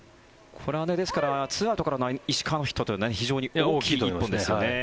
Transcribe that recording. これは２アウトからの石川のヒットというのは非常に大きい１本ですよね。